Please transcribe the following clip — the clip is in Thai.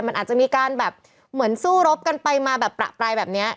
มันอาจจะมีการแบบเหมือนสู้รบกันไปมาแบบประปรายแบบนี้